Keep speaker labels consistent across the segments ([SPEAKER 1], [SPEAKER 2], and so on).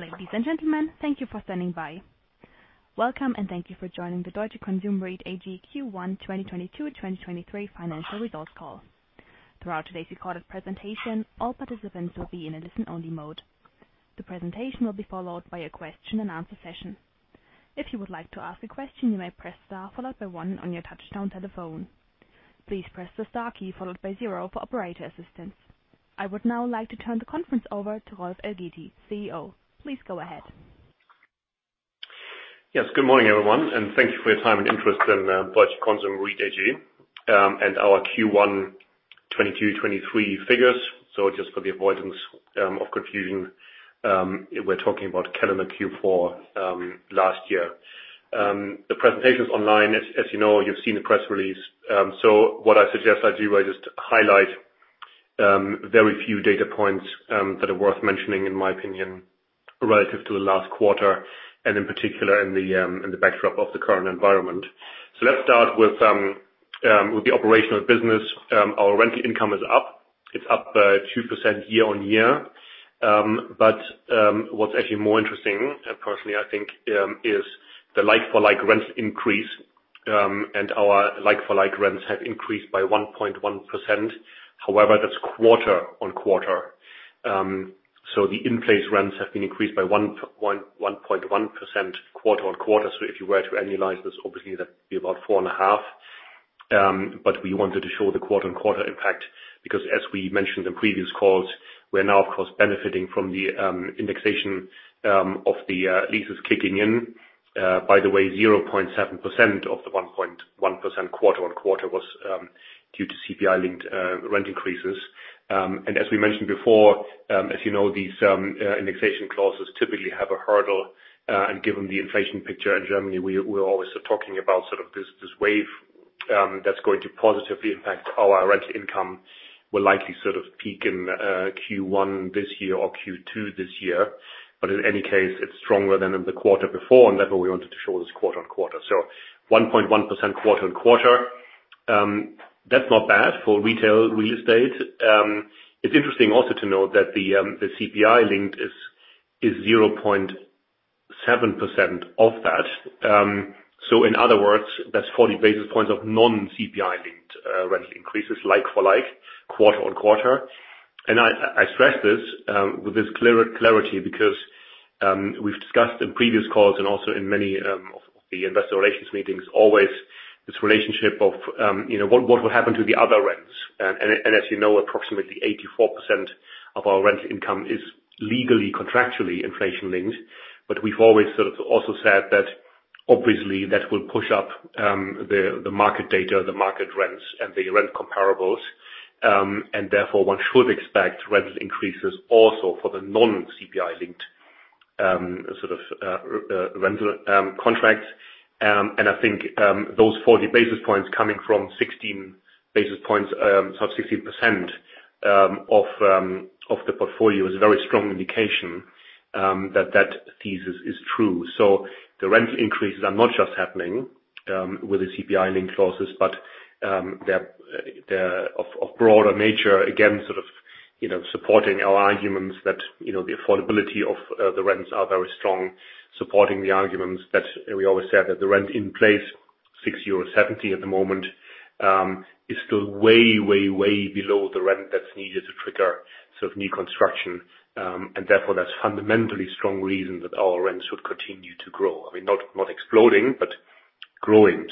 [SPEAKER 1] Ladies and gentlemen, thank you for standing by. Welcome, and thank you for joining the Deutsche Konsum REIT-AG Q1 2022/2023 Financial Results Call. Throughout today's recorded presentation, all participants will be in a listen-only mode. The presentation will be followed by a question-and-answer session. If you would like to ask a question, you may press star followed by one on your touchtone telephone. Please press the star key followed by zero for operator assistance. I would now like to turn the conference over to Rolf Elgeti, CEO. Please go ahead.
[SPEAKER 2] Yes. Good morning, everyone, and thank you for your time and interest in Deutsche Konsum REIT AG and our Q1 2022-2023 figures. Just for the avoidance of confusion, we're talking about calendar Q4 last year. The presentation's online. As you know, you've seen the press release. What I suggest I do I just highlight very few data points that are worth mentioning, in my opinion, relative to the last quarter and in particular in the backdrop of the current environment. Let's start with the operational business. Our rental income is up. It's up 2% year on year. What's actually more interesting, personally, I think, is the like-for-like rents increase, and our like-for-like rents have increased by 1.1%. That's quarter-on-quarter. The in-place rents have been increased by 1.1% quarter-on-quarter. If you were to annualize this, obviously that'd be about 4.5. We wanted to show the quarter-on-quarter impact because as we mentioned in previous calls, we're now, of course, benefiting from the indexation of the leases kicking in. By the way, 0.7% of the 1.1% quarter-on-quarter was due to CPI-linked rent increases. As we mentioned before, as you know, these indexation clauses typically have a hurdle. Given the inflation picture in Germany, we're always talking about sort of this wave that's going to positively impact our rental income will likely sort of peak in Q1 this year or Q2 this year. In any case, it's stronger than in the quarter before, and therefore we wanted to show this quarter-on-quarter. 1.1% quarter-on-quarter, that's not bad for retail real estate. It's interesting also to note that the CPI link is 0.7% of that. In other words, that's 40 basis points of non-CPI linked rental increases like-for-like quarter-on-quarter. I stress this with this clarity because we've discussed in previous calls and also in many of the investor relations meetings always this relationship of, you know, what will happen to the other rents. As you know, approximately 84% of our rental income is legally contractually inflation-linked. We've always sort of also said that obviously that will push up the market data, the market rents and the rent comparables, and therefore one should expect rental increases also for the non-CPI linked sort of rental contracts. I think those 40 basis points coming from 16 basis points, sorry, 16% of the portfolio is a very strong indication that that thesis is true. The rent increases are not just happening with the CPI-link clauses, but they're of broader nature, again, sort of, you know, supporting our arguments that, you know, the affordability of the rents are very strong, supporting the arguments that we always said that the rent in place, 6.70 euros at the moment, is still way below the rent that's needed to trigger sort of new construction. Therefore, that's fundamentally strong reason that our rents should continue to grow. I mean, not exploding, but growing.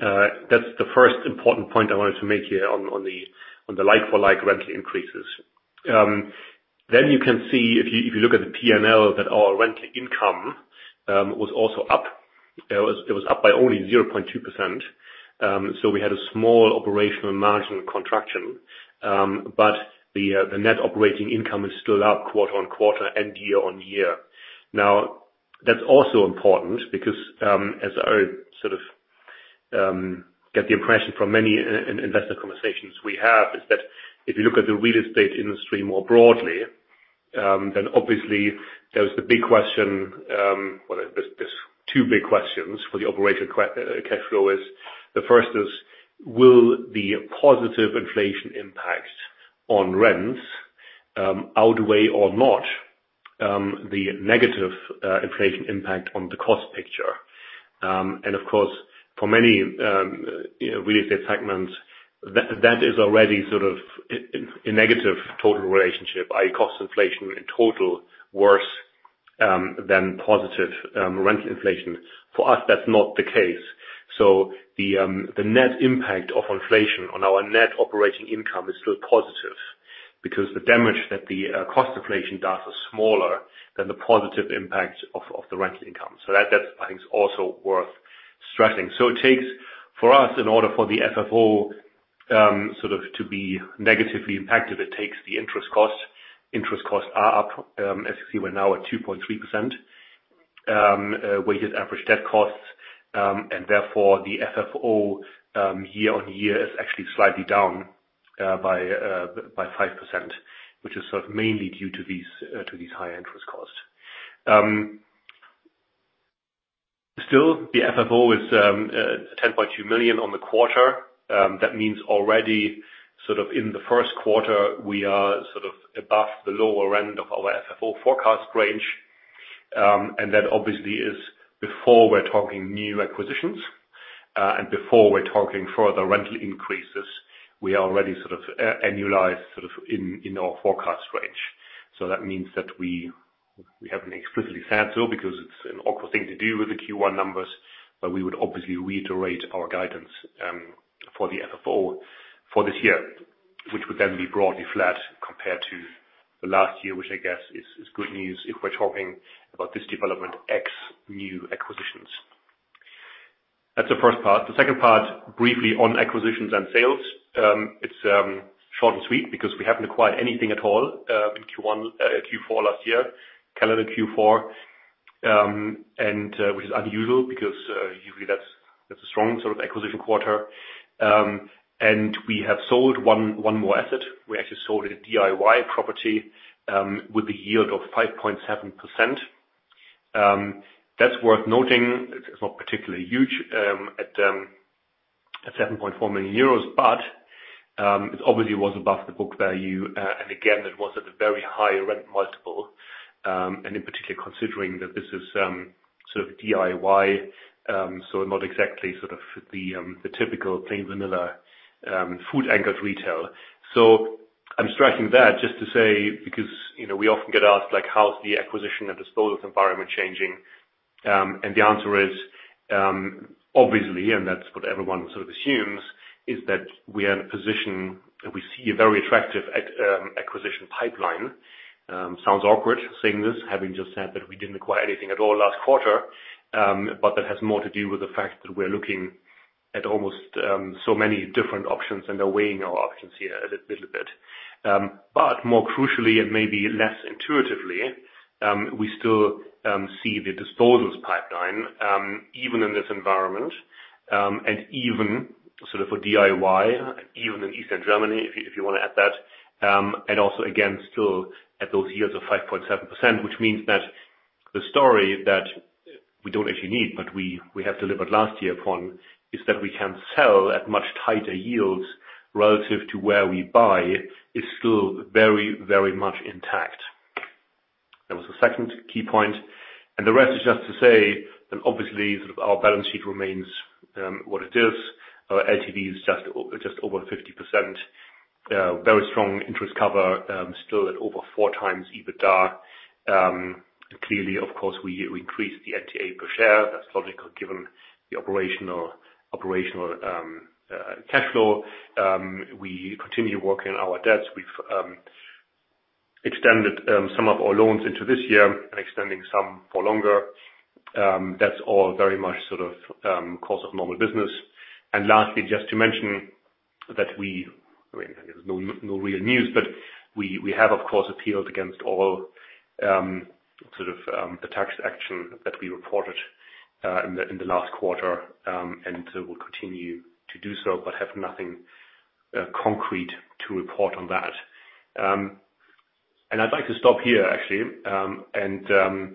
[SPEAKER 2] That's the first important point I wanted to make here on the like-for-like rental increases. You can see if you look at the P&L, that our rental income was also up. It was up by only 0.2%, so we had a small operational margin contraction, but the net operating income is still up quarter-on-quarter and year-on-year. Now, that's also important because, as I sort of get the impression from many investor conversations we have is that if you look at the real estate industry more broadly, then obviously there's the big question, well, there's two big questions for the operational cash flow is. The first is, will the positive inflation impact on rents outweigh or not the negative inflation impact on the cost picture? And of course, for many, you know, real estate segments, that is already sort of a negative total relationship, i.e. cost inflation in total worse than positive rental inflation. For us, that's not the case. The net impact of inflation on our net operating income is still positive because the damage that the cost inflation does is smaller than the positive impact of the rental income. That I think is also worth stressing. It takes, for us, in order for the FFO sort of to be negatively impacted, it takes the interest costs. Interest costs are up, as you see, we're now at 2.3% weighted average debt costs, and therefore the FFO year-on-year is actually slightly down by 5%, which is sort of mainly due to these high interest costs. Still the FFO is 10.2 million on the quarter. That means already sort of in the first quarter, we are sort of above the lower end of our FFO forecast range. That obviously is before we're talking new acquisitions, and before we're talking further rental increases. We are already sort of annualized, sort of in our forecast range. That means that we haven't explicitly said so because it's an awkward thing to do with the Q1 numbers, but we would obviously reiterate our guidance for the FFO for this year, which would then be broadly flat compared to the last year, which I guess is good news if we're talking about this development ex new acquisitions. That's the first part. The second part, briefly on acquisitions and sales. It's short and sweet because we haven't acquired anything at all in Q1, Q4 last year, calendar Q4. Which is unusual because usually that's a strong sort of acquisition quarter. We have sold one more asset. We actually sold a DIY property with a yield of 5.7%. That's worth noting. It's not particularly huge at 7.4 million euros, but it obviously was above the book value. Again, it was at a very high rent multiple, and in particular considering that this is sort of DIY, so not exactly sort of the typical plain vanilla food anchored retail. I'm striking that just to say because, you know, we often get asked like, "How's the acquisition and disposal environment changing?" And the answer is, obviously, and that's what everyone sort of assumes, is that we are in a position that we see a very attractive acquisition pipeline. Sounds awkward saying this, having just said that we didn't acquire anything at all last quarter. That has more to do with the fact that we're looking at almost so many different options and are weighing our options here a little bit. More crucially and maybe less intuitively, we still see the disposals pipeline, even in this environment, and even sort of for DIY, even in Eastern Germany, if you, if you wanna add that. Also again, still at those yields of 5.7%, which means that the story that we don't actually need, but we have delivered last year on, is that we can sell at much tighter yields relative to where we buy is still very much intact. That was the second key point. The rest is just to say that obviously our balance sheet remains what it is. Our LTV is just over 50%. Very strong interest cover, still at over 4x EBITDA. Clearly, of course, we increased the FFO per share. That's logical given the operational cash flow. We continue working on our debts. We've extended some of our loans into this year and extending some for longer. That's all very much sort of course of normal business. Lastly, just to mention that we. I mean, there's no real news, but we have, of course, appealed against all sort of the tax action that we reported in the last quarter and will continue to do so, but have nothing concrete to report on that. I'd like to stop here actually and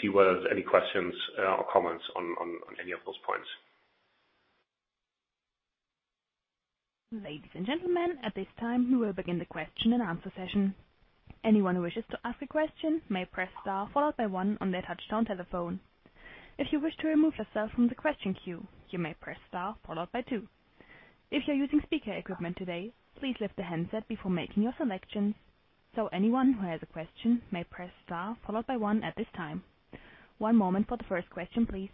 [SPEAKER 2] see whether there's any questions or comments on any of those points.
[SPEAKER 1] Ladies and gentlemen, at this time, we will begin the question and answer session. Anyone who wishes to ask a question may press star followed by one on their touchtone telephone. If you wish to remove yourself from the question queue, you may press star followed by two. If you're using speaker equipment today, please lift the handset before making your selection. Anyone who has a question may press star followed by one at this time. One moment for the first question, please.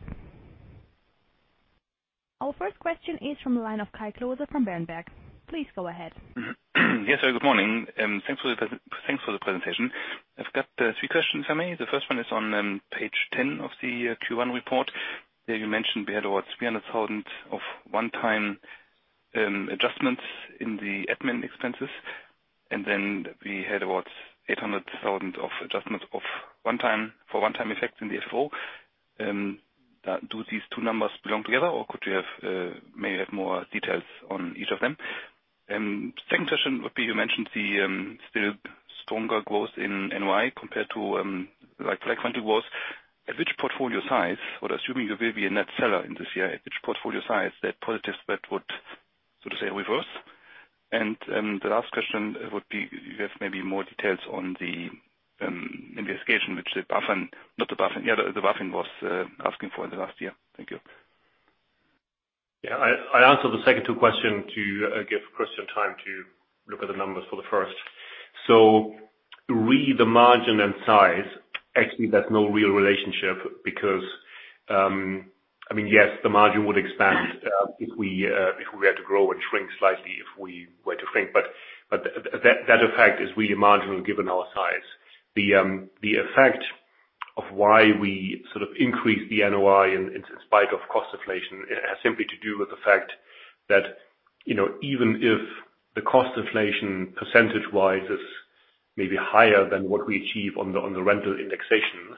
[SPEAKER 1] Our first question is from the line of Kai Klose from Berenberg. Please go ahead.
[SPEAKER 3] Yes, sir. Good morning. Thanks for the presentation. I've got 3 questions for me. The first one is on page 10 of the Q1 report. There you mentioned we had about 300,000 of one-time adjustments in the admin expenses, and then we had about 800,000 of adjustments for one-time effects in the FFO. Do these two numbers belong together, or could you maybe have more details on each of them? Second question would be, you mentioned the still stronger growth in NOI compared to like-for-like. At which portfolio size, or assuming you will be a net seller in this year, at which portfolio size that positive spread would, so to say, reverse? The last question would be if you have maybe more details on the investigation which the BaFin was asking for in the last year? Thank you.
[SPEAKER 2] Yeah. I answered the second two question to give Christian time to look at the numbers for the first. Read the margin and size. Actually, there's no real relationship because, I mean, yes, the margin would expand, if we were to grow and shrink slightly if we were to shrink, but that effect is really marginal given our size. The effect of why we sort of increased the NOI in spite of cost inflation has simply to do with the fact that, you know, even if the cost inflation percentage-wise is maybe higher than what we achieve on the rental indexation,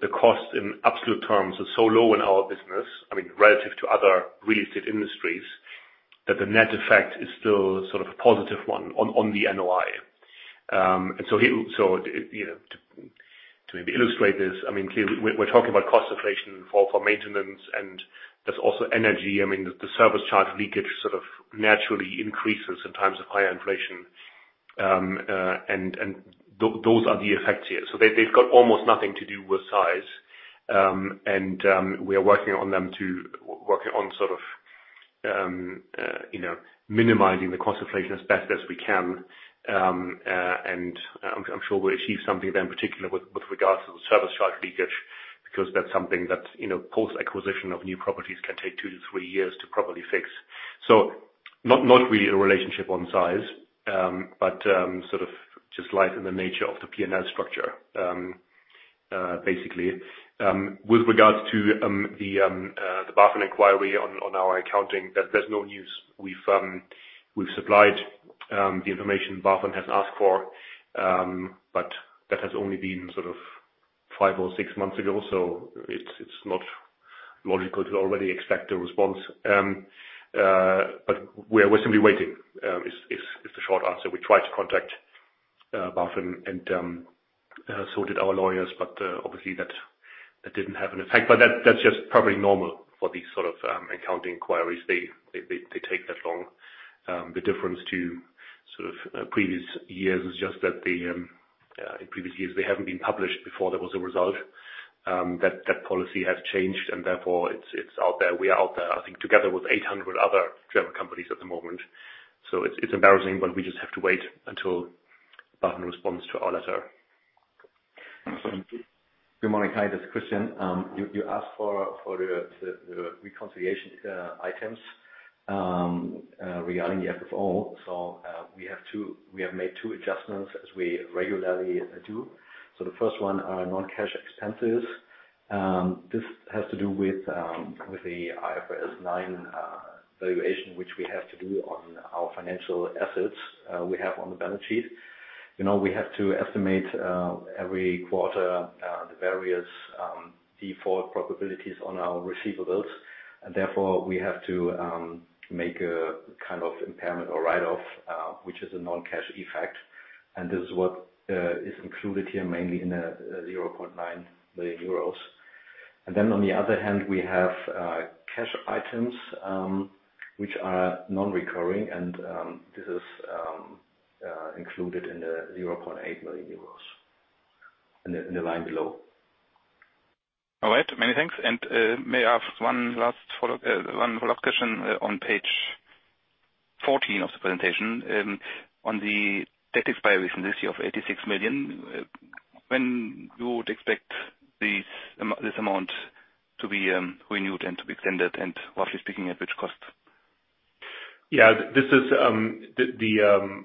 [SPEAKER 2] the cost in absolute terms is so low in our business, I mean, relative to other real estate industries. That the net effect is still sort of a positive one on the NOI. You know, to maybe illustrate this, I mean, clearly we're talking about cost inflation for maintenance, and there's also energy. I mean, the service charge leakage sort of naturally increases in times of high inflation. Those are the effects here. They've got almost nothing to do with size. We are working on them to work on sort of, you know, minimizing the cost inflation as best as we can. I'm sure we'll achieve something then, particularly with regards to the service charge leakage, because that's something that, you know, post-acquisition of new properties can take 2-3 years to properly fix. Not really a relationship on size, but sort of just lies in the nature of the P&L structure, basically. With regards to the BaFin inquiry on our accounting, there's no news. We've supplied the information BaFin has asked for, but that has only been sort of five or six months ago, so it's not logical to already expect a response. We're simply waiting is the short answer. We tried to contact BaFin and so did our lawyers, but obviously that didn't have an effect. That's just probably normal for these sort of accounting inquiries. They take that long. The difference to sort of previous years is just that the in previous years, they haven't been published before there was a result, that policy has changed and therefore it's out there. We are out there, I think together with 800 other German companies at the moment. It's, it's embarrassing, but we just have to wait until BaFin responds to our letter.
[SPEAKER 4] Good morning. Hi, this is Christian. You, you asked for the, the reconciliation items regarding the FFO. We have made two adjustments as we regularly do. The first one are non-cash expenses. This has to do with the IFRS 9 valuation, which we have to do on our financial assets we have on the balance sheet. You know, we have to estimate every quarter the various default probabilities on our receivables, and therefore we have to make a kind of impairment or write-off, which is a non-cash effect. This is what is included here, mainly in the 0.9 million euros. Then on the other hand, we have cash items which are non-recurring. This is included in the 0.8 million euros in the line below.
[SPEAKER 3] All right. Many thanks. May I ask one follow-up question on page 14 of the presentation on the debt expirations this year of 86 million, when you would expect this amount to be renewed and to be extended, and roughly speaking, at which cost?
[SPEAKER 2] Yeah. This is the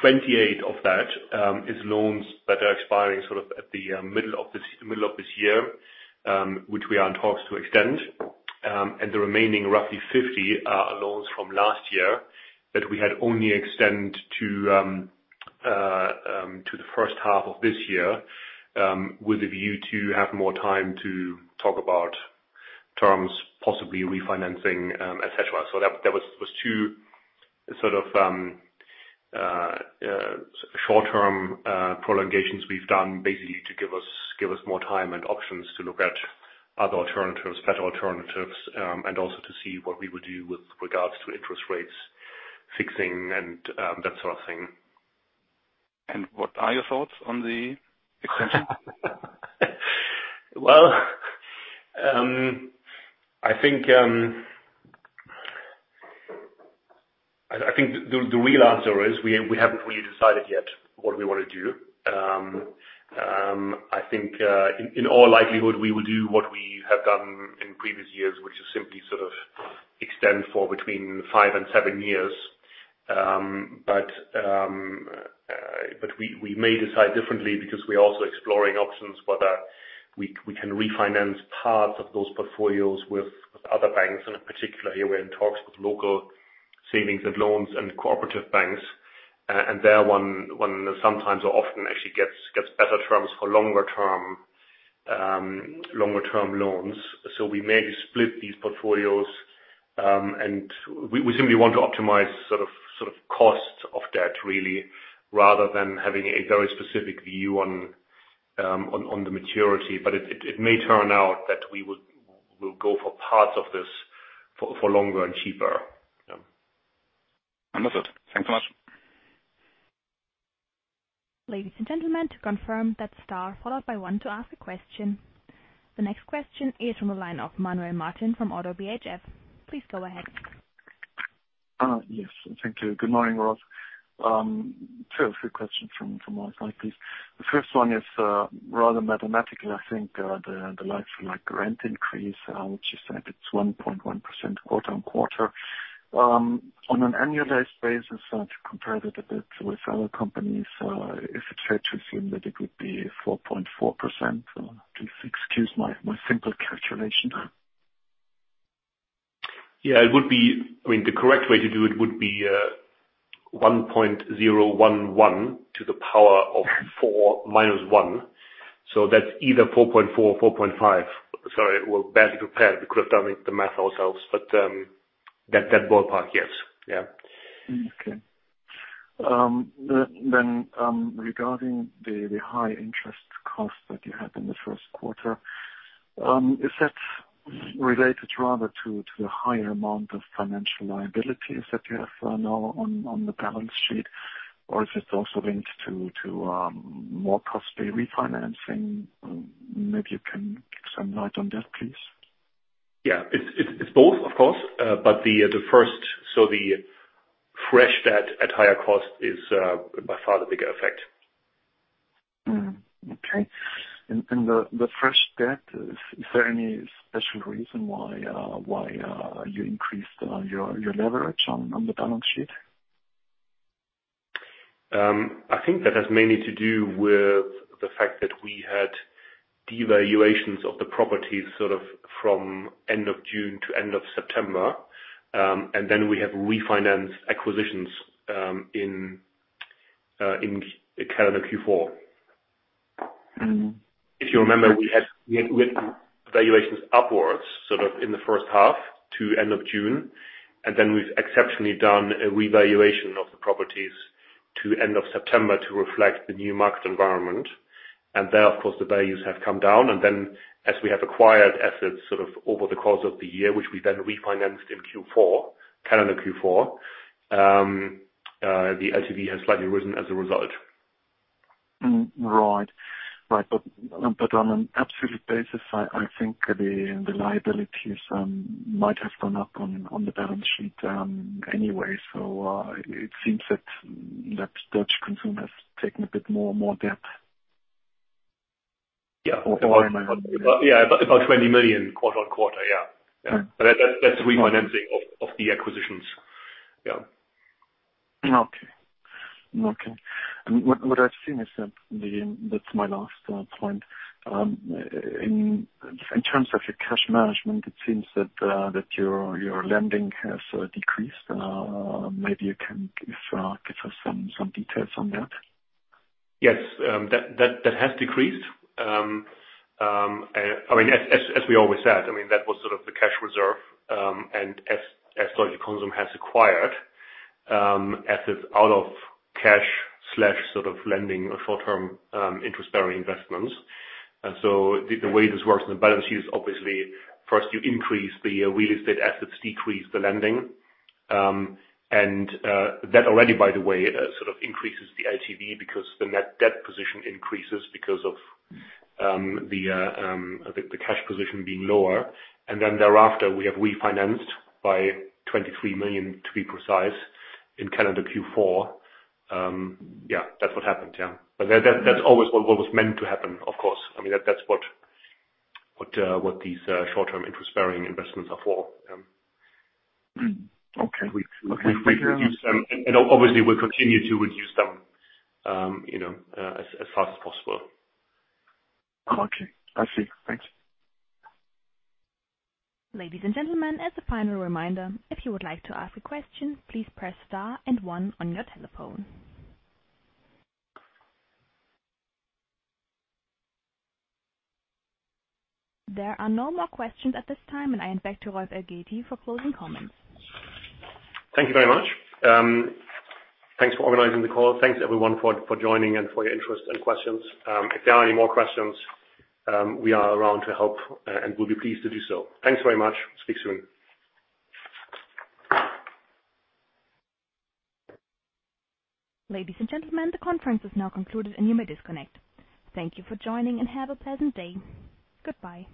[SPEAKER 2] 28 of that is loans that are expiring sort of at the middle of this year, which we are in talks to extend. The remaining roughly 50 are loans from last year that we had only extend to the first half of this year, with a view to have more time to talk about terms, possibly refinancing, etc. That was two sort of short-term prolongations we've done basically to give us more time and options to look at other alternatives, better alternatives, and also to see what we would do with regards to interest rates fixing and that sort of thing.
[SPEAKER 3] What are your thoughts on the extension?
[SPEAKER 2] Well, I think the real answer is we haven't really decided yet what we wanna do. I think in all likelihood, we will do what we have done in previous years, which is simply sort of extend for between 5 and 7 years. But we may decide differently because we're also exploring options whether we can refinance parts of those portfolios with other banks. In particular here, we're in talks with local savings and loans and cooperative banks. They're one sometimes or often actually gets better terms for longer term, longer term loans. We may split these portfolios, and we simply want to optimize sort of costs of debt really, rather than having a very specific view on the maturity. It may turn out that we'll go for parts of this for longer and cheaper. Yeah.
[SPEAKER 3] Understood. Thanks so much.
[SPEAKER 1] Ladies and gentlemen, to confirm that star followed by one to ask a question. The next question is from the line of Manuel Martin from Oddo BHF. Please go ahead.
[SPEAKER 5] Yes. Thank you. Good morning, Rolf. Two or three questions from our side, please. The first one is rather mathematically, I think, the like-for-like rent increase, which you said it's 1.1% quarter-on-quarter. On an annualized basis, to compare it a bit with other companies, is it fair to assume that it would be 4.4%? Please excuse my simple calculation.
[SPEAKER 2] Yeah, I mean, the correct way to do it would be 1.011 to the power of 4 minus 1. That's either 4.4 or 4.5. Sorry. We're badly prepared. We could have done the math ourselves, but that ballpark, yes. Yeah.
[SPEAKER 5] Okay. Regarding the high interest cost that you had in the first quarter, is that related rather to the higher amount of financial liabilities that you have now on the balance sheet or is it also linked to more costly refinancing? Maybe you can shed light on that, please.
[SPEAKER 2] It's both, of course, but the first, so the fresh debt at higher cost is by far the bigger effect.
[SPEAKER 5] Okay. The fresh debt, is there any special reason why you increased your leverage on the balance sheet?
[SPEAKER 2] I think that has mainly to do with the fact that we had devaluations of the properties, sort of, from end of June to end of September. We have refinanced acquisitions, in calendar Q4. If you remember, we had valuations upwards, sort of, in the first half to end of June, and then we've exceptionally done a revaluation of the properties to end of September to reflect the new market environment. There, of course, the values have come down. Then as we have acquired assets, sort of, over the course of the year, which we then refinanced in Q4, calendar Q4, the LTV has slightly risen as a result.
[SPEAKER 5] Right. Right. On an absolute basis, I think the liabilities might have gone up on the balance sheet anyway. It seems that Dutch consumer has taken a bit more and more debt.
[SPEAKER 2] Yeah. About 20 million quarter-on-quarter. Yeah.
[SPEAKER 5] Okay.
[SPEAKER 2] Yeah. That's refinancing of the acquisitions. Yeah.
[SPEAKER 5] Okay. Okay. What I've seen. That's my last point. In terms of your cash management, it seems that your lending has decreased. Maybe you can give us some details on that.
[SPEAKER 2] Yes. That has decreased. I mean, as we always said, I mean, that was sort of the cash reserve. As Deutsche Konsum has acquired assets out of cash slash, sort of, lending short-term, interest bearing investments. The way this works in the balance sheet is obviously first you increase the real estate assets, decrease the lending. That already, by the way, sort of, increases the LTV because the net debt position increases because of the cash position being lower. Then thereafter, we have refinanced by 23 million, to be precise, in calendar Q4. Yeah. That's what happened. Yeah. That's always what was meant to happen, of course. I mean, that's what these short-term interest bearing investments are for.
[SPEAKER 5] Okay. Okay. Thank you.
[SPEAKER 2] We've reduced them. Obviously we'll continue to reduce them, you know, as fast as possible.
[SPEAKER 5] Okay. I see. Thank you.
[SPEAKER 1] Ladies and gentlemen, as a final reminder, if you would like to ask a question, please press Star and one on your telephone. There are no more questions at this time. I hand back to Rolf Elgeti for closing comments.
[SPEAKER 2] Thank you very much. Thanks for organizing the call. Thanks everyone for joining and for your interest and questions. If there are any more questions, we are around to help and we'll be pleased to do so. Thanks very much. Speak soon.
[SPEAKER 1] Ladies and gentlemen, the conference is now concluded and you may disconnect. Thank you for joining and have a pleasant day. Goodbye.